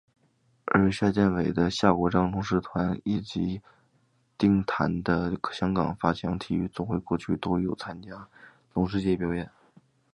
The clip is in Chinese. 而夏德健的夏国璋龙狮团及谭定邦的香港发强体育总会过去都有参与龙狮节表演。